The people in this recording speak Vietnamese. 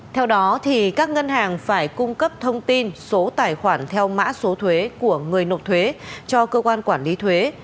theo đó các ngân hàng phải cung cấp thông tin số tài khoản theo mã số thuế của người nộp thuế cho cơ quan quản lý thuế